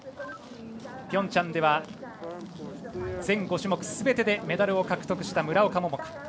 ピョンチャンでは全５種目すべてでメダルを獲得した村岡桃佳。